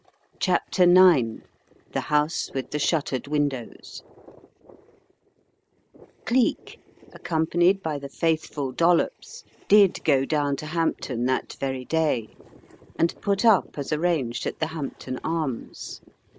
CHAPTER IX THE HOUSE WITH THE SHUTTERED WINDOWS C,EEK, accompanied by the faithful Dollops, did go down to Hampton that very day, and put up as arranged at the Hampton Arms.